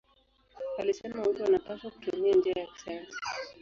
Alisema watu wanapaswa kutumia njia ya kisayansi.